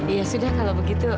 ya sudah kalau begitu